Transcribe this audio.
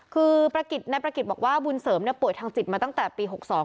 คือนายประกิจบอกว่าบุญเสริมเนี่ยป่วยทางจิตมาตั้งแต่ปี๖๒